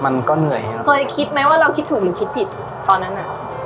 มันก็เหนื่อยครับเคยคิดไหมว่าเราคิดถูกหรือคิดผิดตอนนั้นอ่ะ